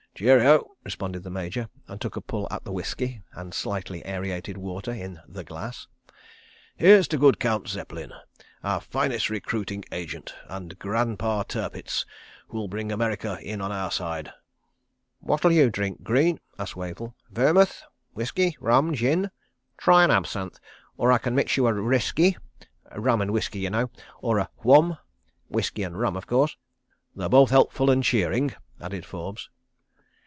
"Cheerioh!" responded the Major, and took a pull at the whisky and slightly aerated water in The Glass. "Here's to Good Count Zeppelin—our finest recruiting agent, and Grandpa Tirpitz—who'll bring America in on our side. ..." "What'll you drink, Greene?" asked Wavell. "Vermuth? Whisky? Rum? Gin? Try an absinthe? Or can I mix you a Risky—rum and whisky, you know—or a Whum—whisky and rum, of course?" "They're both helpful and cheering," added Forbes.